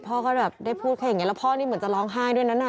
พ่อก็แบบได้พูดแค่อย่างนี้แล้วพ่อนี่เหมือนจะร้องไห้ด้วยนั้นน่ะ